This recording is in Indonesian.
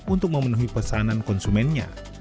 untuk memenuhi pesanan konsumennya